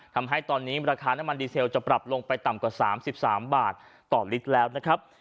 ทำให้ตอนนี้ราคาน้ำมันดีเซลจะปรับลงไปต่ำกว่า๓๓บาทต่อลิตรแล้วนะครับ